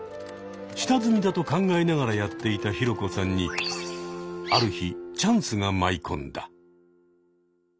下積みだと考えながらやっていたヒロコさんにある日チャンスが舞い込んだ。